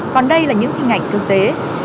còn đây là những hình ảnh thực tế